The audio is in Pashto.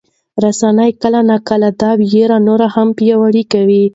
رسنۍ کله ناکله دا ویره نوره هم پیاوړې کوي.